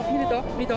見た？